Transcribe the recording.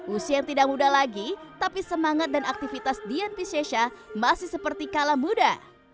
usia yang tidak muda lagi tapi semangat dan aktivitas dian piscesya masih seperti kalam muda